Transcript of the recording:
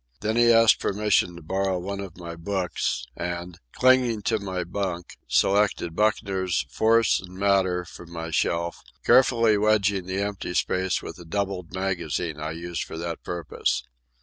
Then he asked permission to borrow one of my books, and, clinging to my bunk, selected Buchner's Force and Matter from my shelf, carefully wedging the empty space with the doubled magazine I use for that purpose.